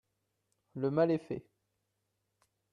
Le mal est fait